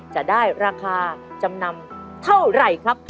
จะได้ราคาจำนำเท่าไหร่ครับ